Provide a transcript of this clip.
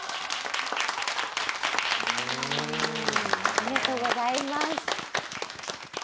ありがとうございます。